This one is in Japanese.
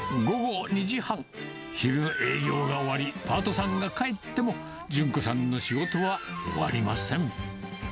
午後２時半、昼営業が終わり、パートさんが帰っても、順子さんの仕事は終わりません。